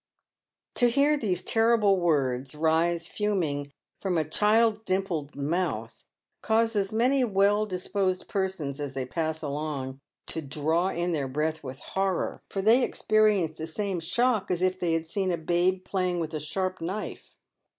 To hear these terrible words rise fuming from a child's dimpled mouth, causes many well disposed persons, as they pass along, to draw in their breath with horror, for they experience the same shock as if they had seen a babe playing with a sharp knife.